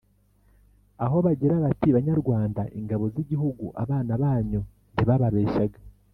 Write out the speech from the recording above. aho bagira bati: ''banyarwanda, ingabo z' i gihugu, abana banyu ''… ntibabeshyaga,